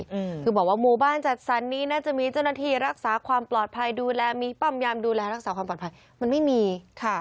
อืมคือบอกว่าหมู่บ้านจัดสรรนี้น่าจะมีเจ้าหน้าที่รักษาความปลอดภัยดูแลมีป้อมยามดูแลรักษาความปลอดภัยมันไม่มีค่ะ